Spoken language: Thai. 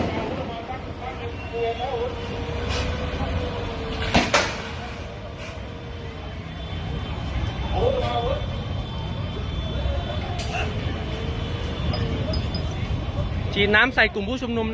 ได้บอกอ่ะรถน้ำสองคันครับสามคันครับ